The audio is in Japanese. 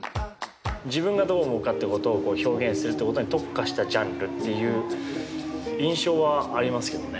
自分がどう思うかってことをこう表現するってことに特化したジャンルっていう印象はありますけどね。